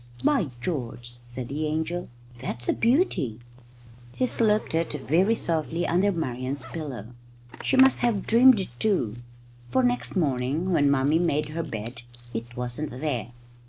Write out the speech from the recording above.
"By George!" said the angel, "that's a beauty." He slipped it very softly under Marian's pillow. She must have dreamed it too, for next morning when Mummy made her bed it wasn't there.